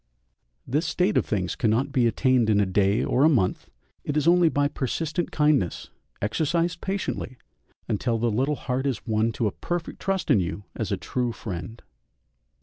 This state of things cannot be attained in a day or a month; it is only by persistent kindness, exercised patiently, until the little heart is won to a perfect trust in you as a true friend.